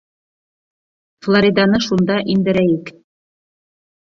Флориданы шунда индерәйек!